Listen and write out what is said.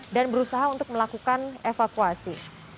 dan berusaha untuk melakukan evakuasi